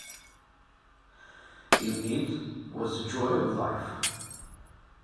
In it was the joy of life.